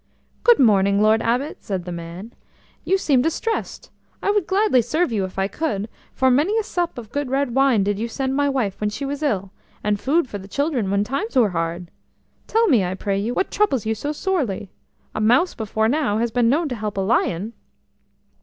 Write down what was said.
"Good morning, Lord Abbot," said the man. "You seem distressed. I would gladly serve you if I could, for many a sup of good red wine did you send my wife when she was ill, and food for the children when times were hard. Tell me, I pray you, what troubles you so sorely? A mouse before now has been known to help a lion."